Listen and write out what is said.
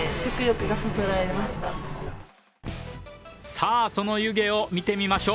さあ、その湯気を見てみましょう